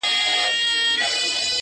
ياره وس دي نه رسي ښكلي خو ســرزوري دي,